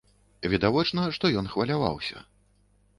Відавочна, што ён хваляваўся.